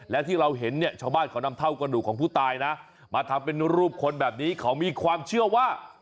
และที่เราเห็นเนี่ยชาวบ้านเขานำเท่ากระดูกของผู้ตายนะมาทำเป็นรูปคนแบบนี้เขามีความเชื่อว่า